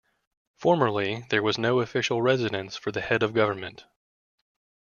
Formerly there was no official residence for the head of government.